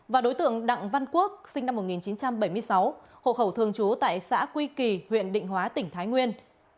và đối tượng đặng văn quốc sinh năm một nghìn chín trăm bảy mươi sáu hộ khẩu thường trú tại xã quy kỳ huyện định hóa tỉnh thái nguyên